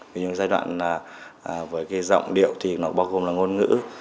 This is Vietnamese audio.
vì những giai đoạn với cái giọng điệu thì nó bao gồm là ngôn ngữ